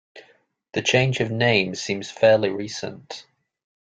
The change of name seems fairly recent.